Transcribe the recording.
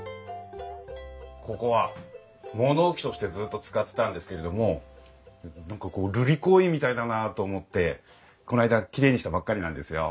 ここは物置としてずっと使ってたんですけれども何かこう瑠璃光院みたいだなと思ってこの間きれいにしたばっかりなんですよ。